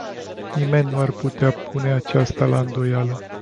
Nimeni nu ar putea pune aceasta la îndoială.